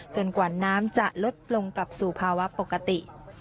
กว่าน้ำจะลดลงกลับสู่ภาวะปกติ